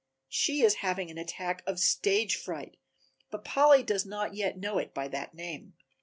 She is having an attack of stage fright, but Polly does not yet know it by that name.